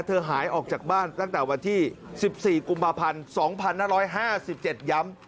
หายออกจากบ้านตั้งแต่วันที่๑๔กุมภาพันธ์๒๕๕๗ย้ำ